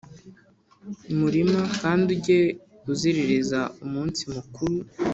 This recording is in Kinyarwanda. murima Kandi ujye uziririza umunsi mukuru